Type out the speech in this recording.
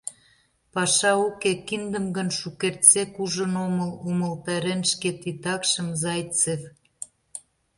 «Паша уке, киндым гын шукертсек ужын омыл», — умылтарен шке титакшым Зайцев.